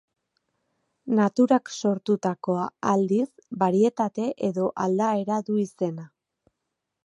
Naturak sortutakoa, aldiz, barietate edo aldaera du izena.